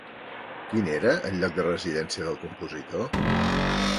Quin era el lloc de residència del compositor?